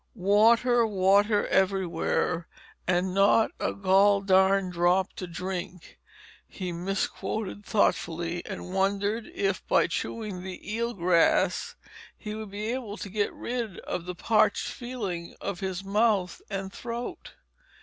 "Water, water, everywhere, and not a gol darned drop to drink," he misquoted thoughtfully and wondered if by chewing the eel grass he would be able to get rid of the parched feeling of his mouth and throat.